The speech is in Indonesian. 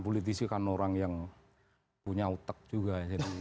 politisi kan orang yang punya otak juga